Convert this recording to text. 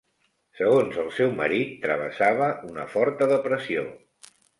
Segons el seu marit travessava una forta depressió.